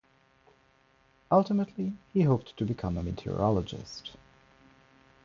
Ultimately he hoped to become a meteorologist.